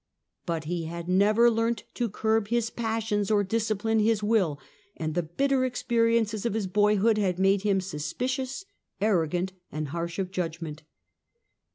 But he had never learnt to curb his passions or discipline his will, and the bitter experiences of his boyhood had made him suspicious, arrogant, and liarsh of judgment.